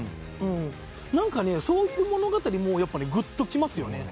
何かそういう物語ぐっときますよね。